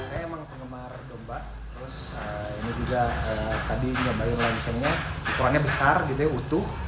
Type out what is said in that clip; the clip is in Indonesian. ini juga tadi diambahin lah misalnya hitungannya besar gitu ya utuh